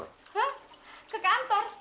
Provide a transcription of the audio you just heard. hah ke kantor